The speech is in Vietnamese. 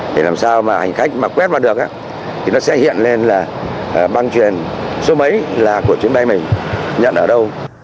để làm sao mà hành khách mà quét qua được thì nó sẽ hiện lên là băng truyền số mấy là của chuyến bay mình nhận ở đâu